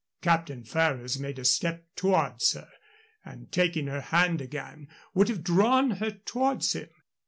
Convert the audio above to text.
Captain Ferrers made a step towards her, and, taking her hand again, would have drawn her towards him.